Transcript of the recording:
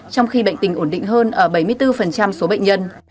trong khi bệnh tình ổn định hơn ở bảy mươi bốn số bệnh nhân